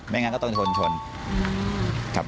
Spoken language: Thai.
ไม่งั้นก็ต้องชนครับ